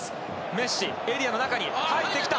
メッシエリアの中に入ってきた。